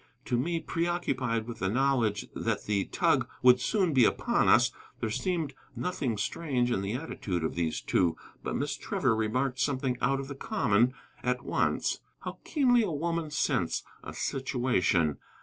To me, preoccupied with the knowledge that the tug would soon be upon us, there seemed nothing strange in the attitude of these two, but Miss Trevor remarked something out of the common at once. How keenly a woman scents a situation.